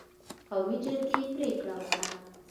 قومي جرګې پرېکړه وکړه